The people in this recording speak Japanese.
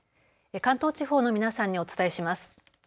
関東地方の皆さんにお伝えします。